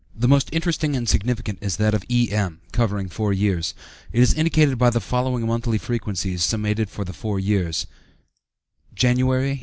The most interesting and significant is that of E.M. (see ante p. 116), covering four years. It is indicated by the following monthly frequencies, summated for the four years: Jan.